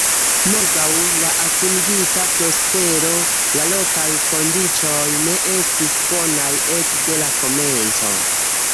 Malgraŭ la atingita prospero, la lokaj kondiĉoj ne estis bonaj ekde la komenco.